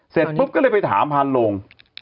เสร็จปุ๊บก็เลยไปถามพานโรง